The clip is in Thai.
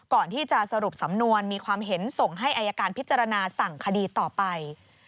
ก่อนที่จะสรุปสำนวนมีความเห็นส่งให้อายการพิจารณาสั่งคดีต่อไป